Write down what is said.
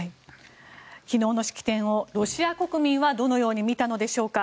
昨日の式典をロシア国民はどのように見たのでしょうか。